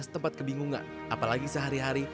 setempat kebingungan apalagi sehari hari